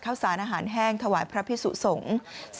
ข้าวสารอาหารแห้งถวายพระพิสุสงฆ์